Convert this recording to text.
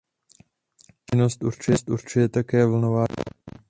Účinnost určuje také vlnová délka.